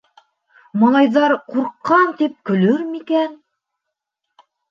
Малайҙар, ҡурҡҡан, тип көлөрмө икән?